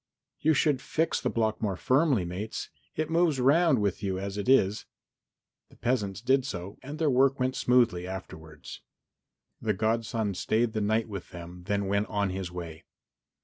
"You should fix the block more firmly, mates. It moves round with you as it is." The peasants did so and their work went smoothly afterwards. The godson stayed the night with them, then went on his way.